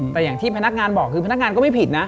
แต่อย่างที่พนักงานบอกคือพนักงานก็ไม่ผิดนะ